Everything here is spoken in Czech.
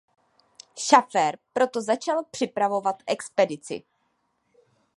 Schäfer proto začal připravovat expedici.